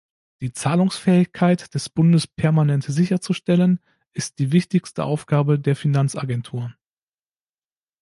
Die Zahlungsfähigkeit des Bundes permanent sicherzustellen, ist die wichtigste Aufgabe der Finanzagentur.